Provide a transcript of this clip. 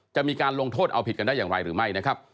จะมีการลงโทษเอาผิดกันได้อย่างไรหรือไม่นะครับ